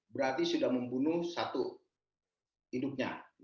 berarti sudah membunuh satu induknya